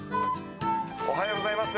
おはようございます。